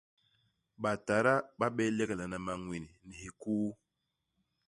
Batada ba bé leglana manwin ni hikuu.